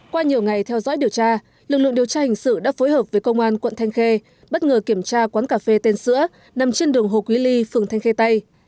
qua nhiều ngày theo dõi điều tra lực lượng điều tra hình sự đã phối hợp với công an quận thanh khê bất ngờ kiểm tra quán cà phê tên sữa nằm trên đường hồ quý ly phường thanh khê tây